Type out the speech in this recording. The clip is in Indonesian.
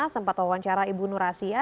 sempat wawancara ibu nur asia